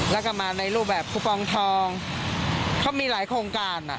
แล้วก็มาในรูปแบบคูปองทองเขามีหลายโครงการอ่ะ